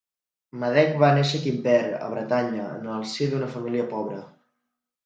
Madec va néixer a Quimper, a Bretanya, en el si d'una família pobra.